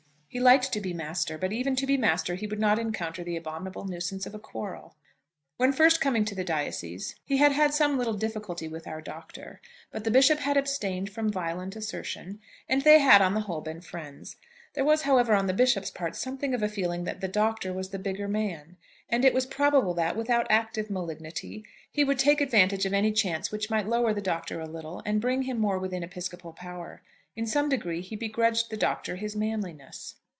He liked to be master; but even to be master he would not encounter the abominable nuisance of a quarrel. When first coming to the diocese he had had some little difficulty with our Doctor; but the Bishop had abstained from violent assertion, and they had, on the whole, been friends. There was, however, on the Bishop's part, something of a feeling that the Doctor was the bigger man; and it was probable that, without active malignity, he would take advantage of any chance which might lower the Doctor a little, and bring him more within episcopal power. In some degree he begrudged the Doctor his manliness.